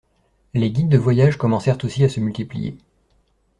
Les guides de voyage commencèrent aussi à se multiplier.